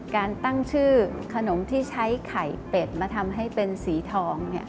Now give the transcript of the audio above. การตั้งชื่อขนมที่ใช้ไข่เป็ดมาทำให้เป็นสีทอง